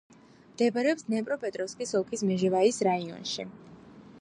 მდებარეობს დნეპროპეტროვსკის ოლქის მეჟევაიის რაიონში.